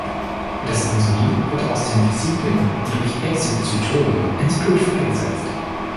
Das Insulin wird aus den Vesikeln durch Exozytose ins Blut freigesetzt.